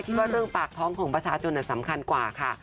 ว่าเรื่องปากท้องของประชาชนสำคัญกว่าค่ะ